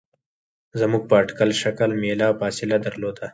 زموږ په اټکل شل میله فاصله درلوده.